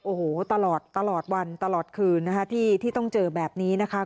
โอ้โฮตลอดวันตลอดคืนที่ต้องเจอแบบนี้นะคะ